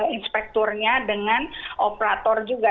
inspekturnya dengan operator juga